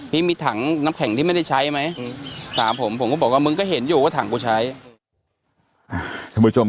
พี่มีถังนับแข่งที่ไม่ได้ใช้ไหม